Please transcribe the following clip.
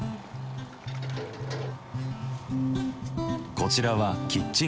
こちらはキッチンカー。